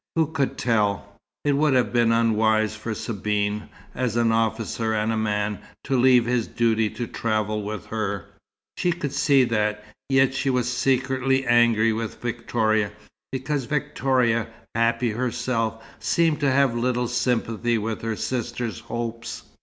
Who could tell? It would have been unwise for Sabine, as an officer and as a man, to leave his duty to travel with her: she could see that, yet she was secretly angry with Victoria, because Victoria, happy herself, seemed to have little sympathy with her sister's hopes.